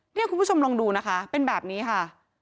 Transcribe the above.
คุณผู้ชมลองดูนะคะเป็นแบบนี้ค่ะ